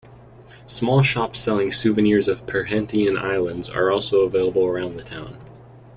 Small shops selling souvenirs of Perhentian Islands are also available around the town.